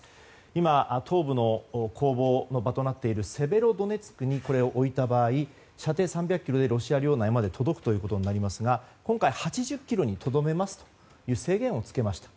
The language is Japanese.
今、東部の攻防の場となっているセベロドネツクにこれを置いた場合射程３００ｋｍでロシア領内まで届くことになりますが今回、８０ｋｍにとどめますという制限をつけました。